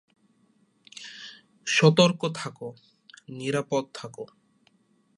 সতর্ক থাকো, নিরাপদ থাকো।